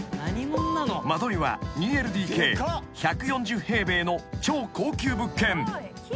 ［間取りは２ＬＤＫ１４０平米の超高級物件］